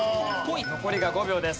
残りが５秒です